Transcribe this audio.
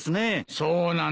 そうなんだよ。